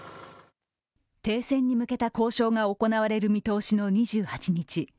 停戦に向けた交渉が行われる見通しの２８日